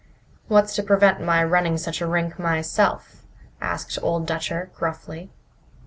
"What's to prevent my running such a rink myself?" asked Old Dutcher gruffly.